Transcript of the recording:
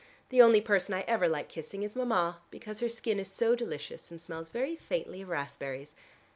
The only person I ever like kissing is Mama, because her skin is so delicious and smells very faintly of raspberries.